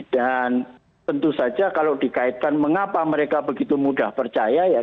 dan tentu saja kalau dikaitkan mengapa mereka begitu mudah percaya ya